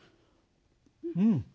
うん。